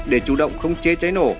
để chủ động không chế cháy nổ